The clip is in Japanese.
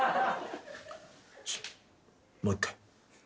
もう一回。